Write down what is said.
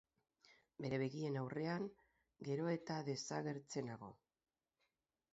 Bere begien aurrean gero eta desagertzenago.